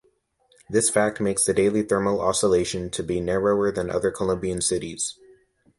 This fact makes the daily thermal oscillation to be narrower than other Colombian cities.